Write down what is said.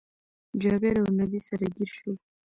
جابير اونبي سره ګير شول